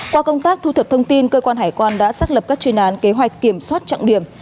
qua công tác thu thập thông tin cơ quan hải quan đã xác lập các chuyên án kế hoạch kiểm soát trọng điểm